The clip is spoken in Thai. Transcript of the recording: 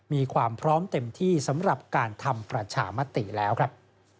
มีความพร้อมเต็มที่สำหรับการทำประชามติแล้วครับ